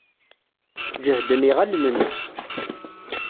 Jehden yiɣallen-nnes.